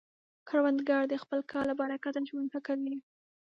کروندګر د خپل کار له برکته ژوند ښه کوي